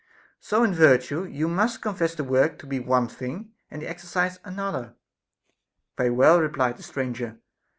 So in virtue, you must confess the work to be one thing and the exercise another. Very well, replied the stranger.